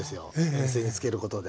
塩水につけることで。